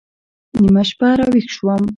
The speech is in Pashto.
نيمه شپه راويښ سوم.